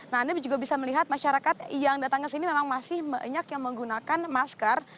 nah anda juga bisa melihat masyarakat yang datang ke sini memang masih banyak yang menggunakan masker